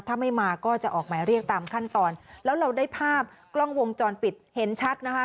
ถ้าไม่มาก็จะออกหมายเรียกตามขั้นตอนแล้วเราได้ภาพกล้องวงจรปิดเห็นชัดนะคะ